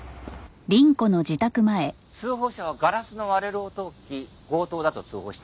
通報者はガラスの割れる音を聞き強盗だと通報した。